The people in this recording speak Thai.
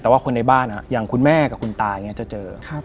แต่ว่าคนในบ้านอย่างคุณแม่กับคุณตาอย่างนี้จะเจอ